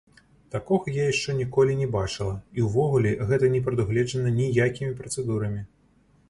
Такога я яшчэ ніколі не бачыла, і ўвогуле гэта не прадугледжана ніякімі працэдурамі.